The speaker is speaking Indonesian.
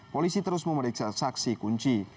polisi terus memeriksa saksi kunci